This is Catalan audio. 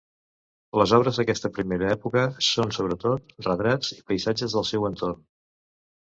Les obres d'aquesta primera època són sobretot retrats i paisatges del seu entorn.